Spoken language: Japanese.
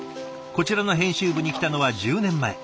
こちらの編集部に来たのは１０年前。